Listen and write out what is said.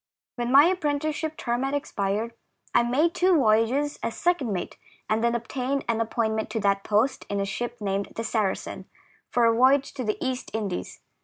When my apprenticeship term had ex pired, I made two voyages as second mate, and then obtained an appointment to that post in a ship named the Saracen, for a voyage to the East Indies.